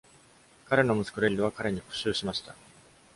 彼の息子レリルは彼に復讐しました。